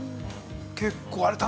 ◆結構あれ。